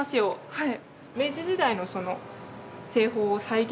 はい。